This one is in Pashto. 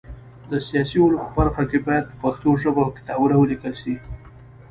د سیاسي علومو په برخه کي باید په پښتو ژبه کتابونه ولیکل سي.